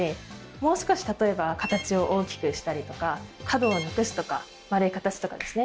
もう少し例えば形を大きくしたりとか角をなくすとか丸い形とかですね。